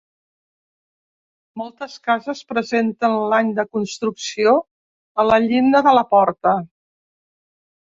Moltes cases presenten l'any de construcció a la llinda de la porta.